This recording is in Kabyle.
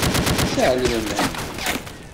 Sseɛlem Mhenni.